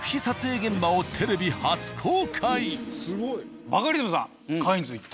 撮影現場をテレビ初公開。